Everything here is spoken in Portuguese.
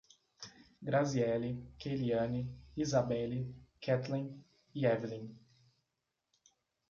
Grazieli, Keliane, Izabele, Ketlen e Evilin